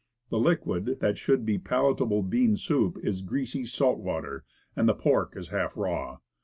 The liquid, that should be palatable bean soup, is greasy salt water, and the pork is half raw.